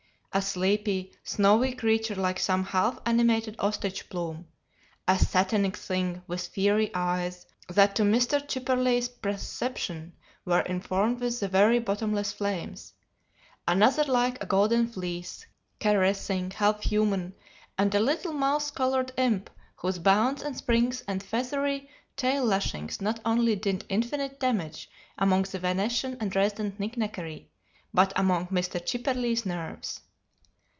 "A sleepy, snowy creature like some half animated ostrich plume; a satanic thing with fiery eyes that to Mr. Chipperley's perception were informed with the very bottomless flames; another like a golden fleece, caressing, half human; and a little mouse colored imp whose bounds and springs and feathery tail lashings not only did infinite damage among the Venetian and Dresden knick knackerie, but among Mr. Chipperley's nerves."